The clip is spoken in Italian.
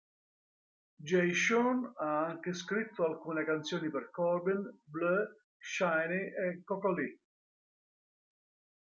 Jay Sean ha anche scritto alcune canzoni per Corbin Bleu, Shinee e Coco Lee.